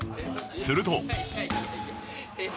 すると